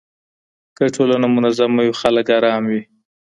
که ټولنه منظمه وي خلګ آرام وي.